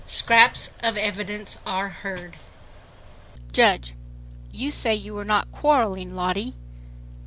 Scraps of evidence are heard. JUDGE: "You say you were not quarreling, Lottie?"